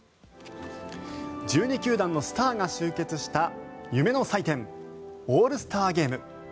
１２球団のスターが集結した夢の祭典オールスターゲーム。